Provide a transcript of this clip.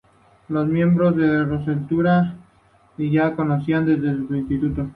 Los miembros de Rosetta ya se conocían desde el instituto.